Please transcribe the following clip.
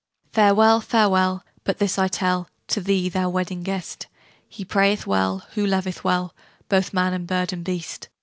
'Farewell, farewell! but this I tell To thee, thou Wedding Guest! He prayeth well, who loveth well Both man and bird and beast.